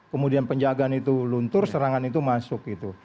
kemudian penjagaan itu luntur serangan itu masuk gitu